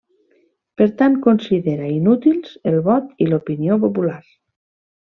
Per tant considera inútils el vot i l'opinió popular.